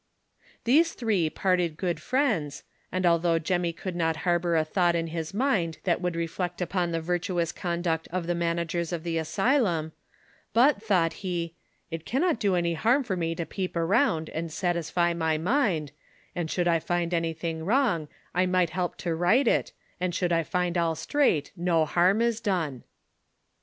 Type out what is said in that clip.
These three parted good friends, and altliough Jemmy could not harbor a thought in his mind that would reflect upon the virtuous conduct of the managers of tlie asylum, but, thought he, "it caimot do any harm for me to peep around and satisfy my mind, and should I find anything wrong, I might help to right it, and should I find all straight, no harm is done."